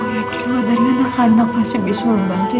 aku yakin wabari anak anak pasti bisa membangkit